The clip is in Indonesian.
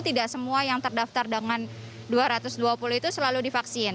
tidak semua yang terdaftar dengan dua ratus dua puluh itu selalu divaksin